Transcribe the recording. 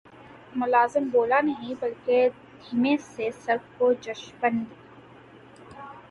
ملازم بولا نہیں بلکہ دھیمے سے سر کو جنبش دی